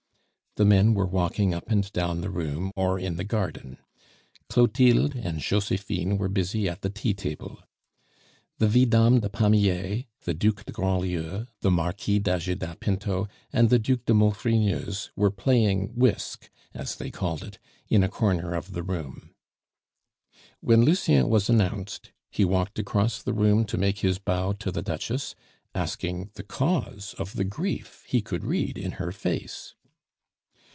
The men were walking up and down the room or in the garden. Clotilde and Josephine were busy at the tea table. The Vidame de Pamiers, the Duc de Grandlieu, the Marquis d'Ajuda Pinto, and the Duc de Maufrigneuse were playing Wisk, as they called it, in a corner of the room. When Lucien was announced he walked across the room to make his bow to the Duchess, asking the cause of the grief he could read in her face.